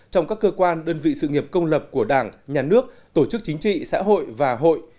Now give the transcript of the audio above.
trong các cơ quan đơn vị sự nghiệp công lập của đảng nhà nước tổ chức chính trị xã hội và hội